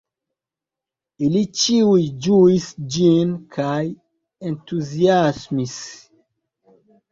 Ili ĉiuj ĝuis ĝin kaj entuziasmis.